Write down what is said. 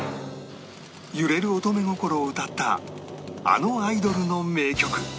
揺れる乙女心を歌ったあのアイドルの名曲